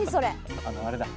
あのあれだ。